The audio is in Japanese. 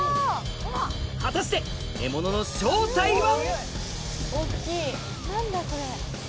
果たして獲物の正体は？